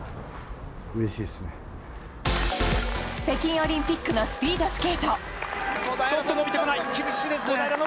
北京オリンピックのスピードスケート。